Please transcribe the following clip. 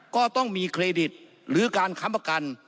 ก็ต้องมีเครดิตหรือการค้ำประกัน